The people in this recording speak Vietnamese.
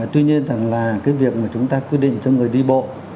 tuy nhiên rằng là cái việc mà chúng ta quy định cho người đi bộ